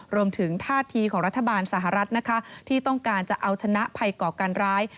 รวมถึงท่าทีของรัฐบาลสหรัฐนะคะที่ต้องการจะเอาชนะภัยก่อการร้าย